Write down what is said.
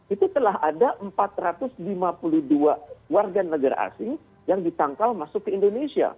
itu telah ada empat ratus lima puluh dua warga negara asing yang ditangkal masuk ke indonesia